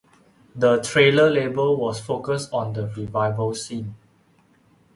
The Trailer label was focused on the revival scene.